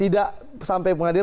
tidak sampai pengadilan